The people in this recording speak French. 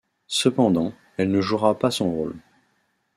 Cependant, elle ne jouera pas son rôle.